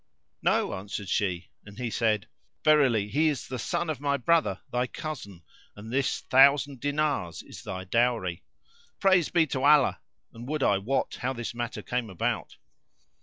"No," answered she, and he said, "Verily he is the son of my brother, thy cousin, and this thousand dinars is thy dowry. Praise be to Allah! and would I wot how this matter came about!"